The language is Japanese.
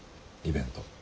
イベント。